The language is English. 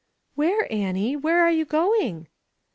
" Where, Annie ? where are you going